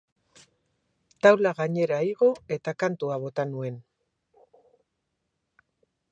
Taula gainera igo eta kantua bota nuen.